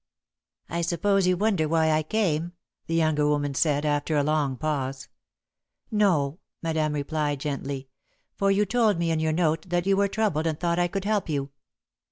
"I suppose you wonder why I came," the younger woman said, after a long pause. "No," Madame replied, gently, "for you told me in your note that you were troubled and thought I could help you."